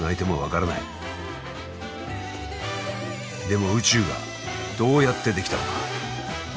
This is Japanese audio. でも宇宙がどうやって出来たのか。